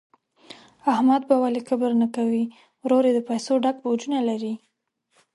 احمد به ولي کبر نه کوي، ورور یې د پیسو ډک بوجونه لري.